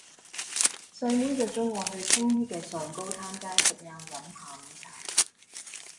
細妹約左我去青衣嘅上高灘街食晏飲下午茶